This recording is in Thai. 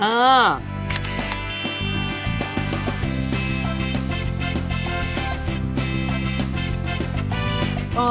เป็ด